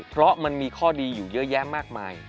เพราะมันมีข้อดีอยู่เยอะแยะมากมาย